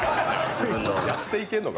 やっていけるのか？